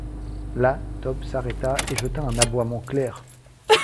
Là, Top s’arrêta et jeta un aboiement clair.